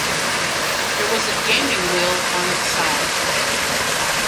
There was a gaming wheel on its side.